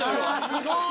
すごーい。